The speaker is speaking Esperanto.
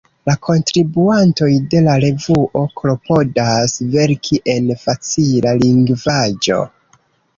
La kontribuantoj de la revuo klopodas verki en facila lingvaĵo.